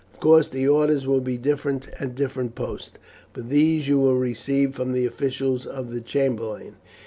Of course the orders will be different at different posts, but these you will receive from the officials of the chamberlain.